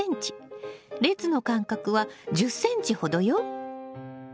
列の間隔は１０ｃｍほどよ。